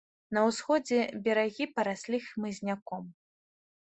На ўсходзе берагі параслі хмызняком.